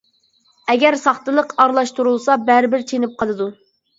ئەگەر ساختىلىق ئارىلاشتۇرۇلسا، بەرىبىر چېنىپ قالىدۇ.